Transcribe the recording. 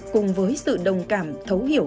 cùng với sự đồng cảm thấu hiểu